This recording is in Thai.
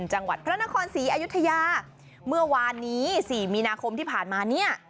จังหวัดพระนครศรีอยุธยาเมื่อวานนี้สี่มีนาคมที่ผ่านมาเนี่ย